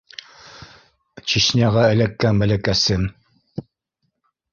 Чечняға эләккән бәләкәсем.